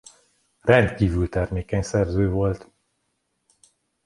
Rendkívül termékeny szerző volt.